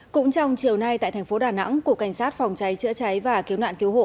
cũng trong chiều nay tại thành phố đà nẵng cục cảnh sát phòng cháy chữa cháy và cứu nạn cứu hộ